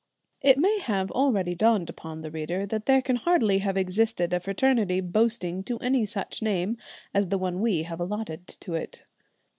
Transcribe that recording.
It may have already dawned upon the reader that there can hardly have existed a fraternity boasting any such name as the one we have allotted to it.